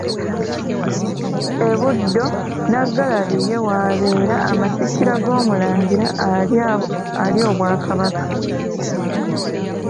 E Buddo Nnaggalabi ye wabeera amatikkira g'Omulangira alya obwa Kabaka.